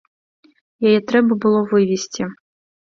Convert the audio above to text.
Яе трэба было вывесці.